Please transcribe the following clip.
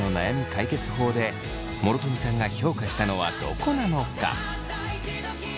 解決法で諸富さんが評価したのはどこなのか？